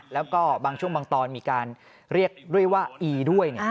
แล้วก็บางช่วงบางตอนมีการเรียกด้วยว่าอีด้วย